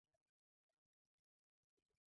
黄仲涵。